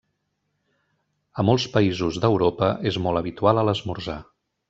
A molts països d'Europa és molt habitual a l'esmorzar.